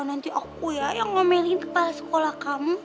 nanti aku ya yang ngomongin kepala sekolah kamu